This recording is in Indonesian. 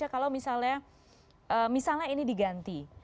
kalau misalnya ini diganti